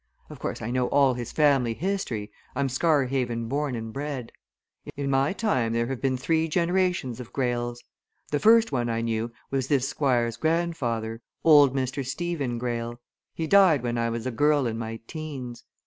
Of course, I know all his family history I'm Scarhaven born and bred. In my time there have been three generations of Greyles. The first one I knew was this Squire's grandfather, old Mr. Stephen Greyle: he died when I was a girl in my 'teens.